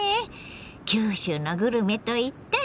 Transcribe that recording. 九州のグルメといったらあれ。